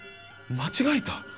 間違えた！？